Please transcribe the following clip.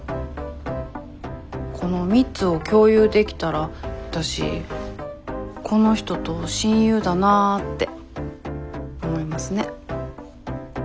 この３つを共有できたら「わたしこの人と親友だなぁ」って思いますね。